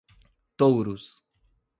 Touros